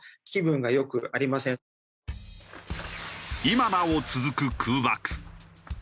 今なお続く空爆。